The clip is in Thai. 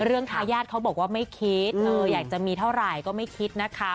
ทายาทเขาบอกว่าไม่คิดอยากจะมีเท่าไหร่ก็ไม่คิดนะคะ